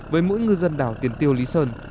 với mỗi ngư dân đảo tiền tiêu lý sơn